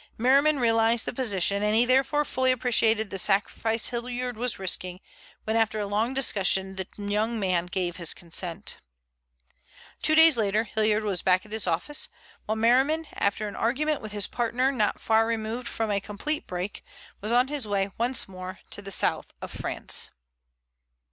Merriman realized the position, and he therefore fully appreciated the sacrifice Hilliard was risking when after a long discussion that young man gave his consent. Two days later Hilliard was back at his office, while Merriman, after an argument with his partner not far removed from a complete break, was on his way once more to the south of France.